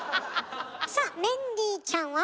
さあメンディーちゃんは？